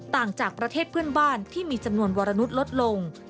ต่างจากประเทศเพื่อนบ้านที่มีจำนวนวรนุษย์ลดลง